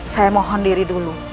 saya mohon diri dulu